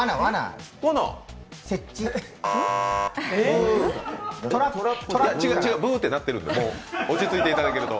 もうブーと鳴っているんで落ち着いていただけると。